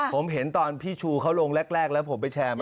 ผมเห็นตอนพี่ชูเขาลงแรกแล้วผมไปแชร์มา